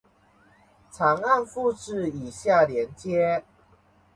长按复制以下链接